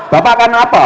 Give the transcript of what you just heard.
bapak kan apa